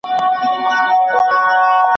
هغوی به همکاري کوي.